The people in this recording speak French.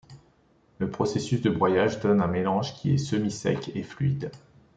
Le processus de broyage donne un mélange qui est semi-sec et fluide.